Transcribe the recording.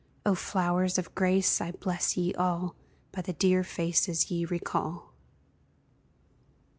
O flowers of grace, I bless ye all By the dear faces ye recall!